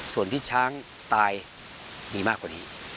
ส่วนที่ช้างตายมีมากกว่านี้